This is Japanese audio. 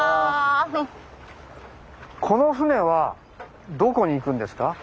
この舟はどこに行くんですか？